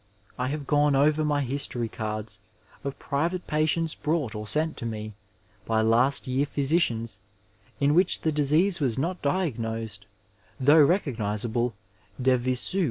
I have gone over my history cards of private patients brought or sent to me by last year physicians, in which the disease was not diagnosed though recognizable de msu.